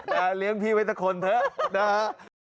แต่เลี้ยงพี่ไว้แต่คนเถอะนะฮะ